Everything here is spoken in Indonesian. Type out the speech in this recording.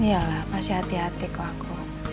iyalah masih hati hati kok aku